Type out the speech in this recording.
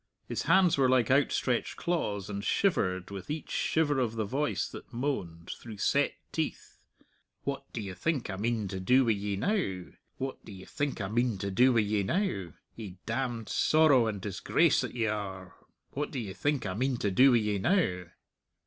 His hands were like outstretched claws, and shivered with each shiver of the voice that moaned, through set teeth, "What do ye think I mean to do wi' ye now?... What do ye think I mean to do wi' ye now?... Ye damned sorrow and disgrace that ye are, what do ye think I mean to do wi' ye now?"